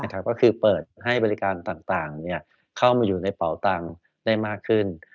ก็คือเปิดให้บริการต่างเข้ามาอยู่ในเป่าตังค์ได้มากขึ้น